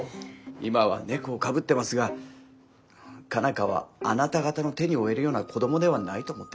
今は猫をかぶってますが佳奈花はあなた方の手に負えるような子どもではないと思っています。